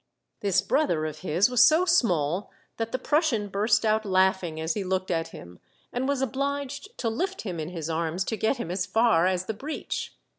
This brother of his was so small that the Prus sian burst out laughing as he looked at him, and was obliged to lift him in his arms to get him as far as the breach.